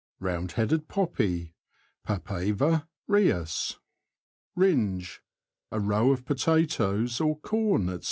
— Round headed poppy [Papaver Rhosas). RiNGE. — A row of potatoes, corn, &c.